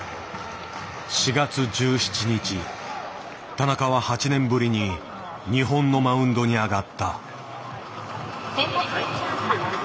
田中は８年ぶりに日本のマウンドに上がった。